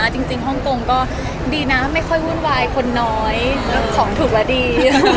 ฮ่องกงก็ดีนะไม่ค่อยวุ่นวายคนน้อยของถูกและดี